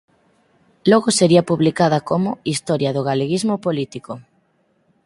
Logo sería publicada como "Historia do Galeguismo Político".